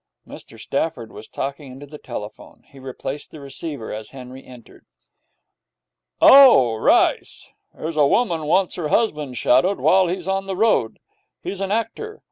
Mr Stafford was talking into the telephone. He replaced the receiver as Henry entered. 'Oh, Rice, here's a woman wants her husband shadowed while he's on the road. He's an actor.